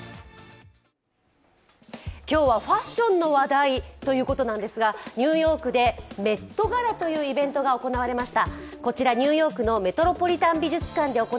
今日はファッションの話題ということなんですがニューヨークでメット・ガラというイベントが行われました。